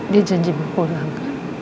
dia janji mau pulang kan